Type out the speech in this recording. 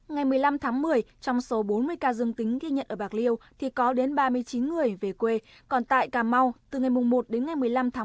ngày một mươi năm tháng một mươi trong số bốn mươi ca dương tính ghi nhận ở bạc liêu thì có đến ba mươi chín người về quê còn tại cà mau từ ngày một đến ngày một mươi năm tháng một mươi